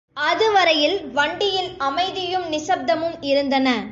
அதுவரையில் வண்டியில் அமைதியும் நிசப்தமும் இருந்தன.